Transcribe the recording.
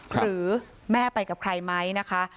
หรือแม่ไปกับใครไหมนะคะ